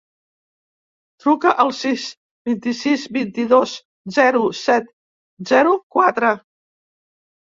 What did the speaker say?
Truca al sis, vint-i-sis, vint-i-dos, zero, set, zero, quatre.